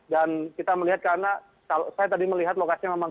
dan kita melihat karena saya tadi melihat lokasi yang memang